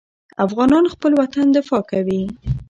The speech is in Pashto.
افغانان خپل وطن دفاع کوي.